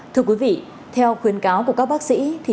thưa quý vị theo khuyến cáo của các bác sĩ